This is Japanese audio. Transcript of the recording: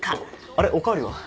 あれお代わりは？